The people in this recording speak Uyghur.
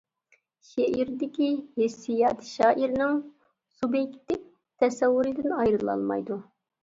شېئىردىكى ھېسسىيات شائىرنىڭ سۇبيېكتىپ تەسەۋۋۇرىدىن ئايرىلالمايدۇ.